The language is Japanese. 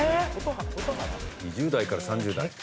２０代から３０代。